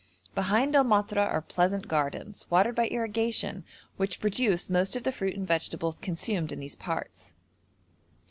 Behind El Matra are pleasant gardens, watered by irrigation, which produce most of the fruit and vegetables consumed in these parts.